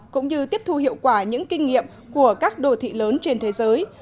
cũng như tiếp thu hiệu quả những kinh nghiệm của các đô thị lớn trên thế giới